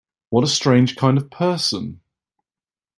What a strange kind of person!